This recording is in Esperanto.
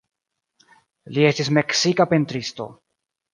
Li estis meksika pentristo.